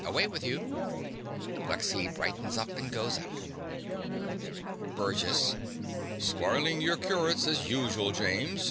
Away with you. (Lexy brightens up, and goes out.) BURGESS. Spoilin' your curates, as usu'l, James.